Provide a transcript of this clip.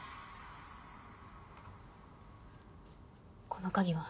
この鍵は？